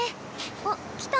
あっ来た。